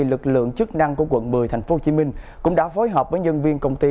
lực lượng chức năng của quận một mươi thành phố hồ chí minh cũng đã phối hợp với nhân viên công ty